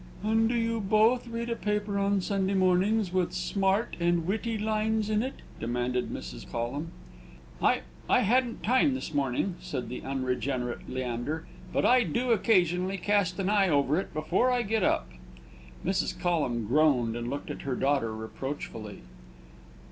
"And do you both read a paper on Sunday mornings with 'smart' and 'witty' lines in it?" demanded Mrs. Collum. "I I hadn't time this morning," said the unregenerate Leander; "but I do occasionally cast an eye over it before I get up." Mrs. Collum groaned, and looked at her daughter reproachfully.